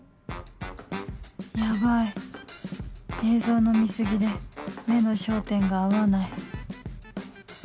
ヤバい映像の見過ぎで目の焦点が合わない